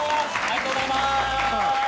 ありがとうございます。